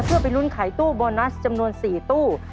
เพื่อไปลุ้นขายตู้โบนัสจำนวน๔ตู้